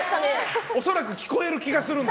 恐らく聞こえる気がするんです。